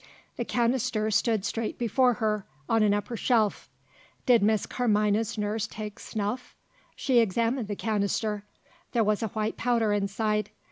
The canister stood straight before her, on an upper shelf. Did Miss Carmina's nurse take snuff? She examined the canister: there was a white powder inside.